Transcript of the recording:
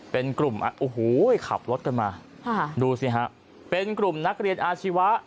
เป็นกลุ่มโอ้โหขับรถกันมาดูสิฮะเป็นกลุ่มนักเรียนอาชีวะ